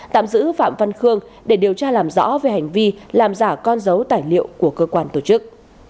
tạm giữ phạm văn khương để điều tra làm rõ về hành vi làm giả con dấu tài liệu của cơ quan tổ chức